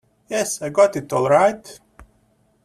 Yes, I got it all right.